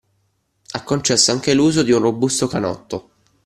Ha concesso anche l’uso di un robusto canotto